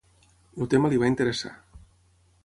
El tema li va interessar.